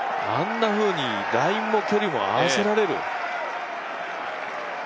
あんなふうにラインも距離も合わせられる？